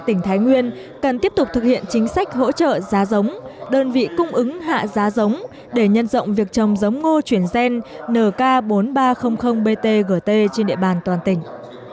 tỉnh thái nguyên cần tiếp tục thực hiện chính sách hỗ trợ giá giống đơn vị cung ứng hạ giá giống để nhân rộng việc trồng giống ngô chuyển gen nk bốn nghìn ba trăm linh btgt trên địa bàn toàn tỉnh